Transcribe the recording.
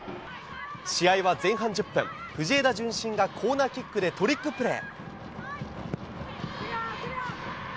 試合は前半１０分、藤枝順心がコーナーキックでトリックプレー。